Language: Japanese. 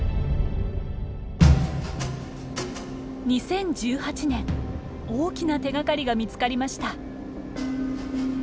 それでは一体２０１８年大きな手がかりが見つかりました。